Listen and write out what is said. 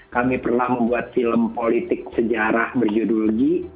kami pernah membuat film politik sejarah berjudul g